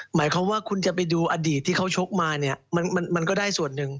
หมายความว่าคุณจะไปดูอดีตที่เขาชกมาเนี่ยมันก็ได้ส่วนหนึ่ง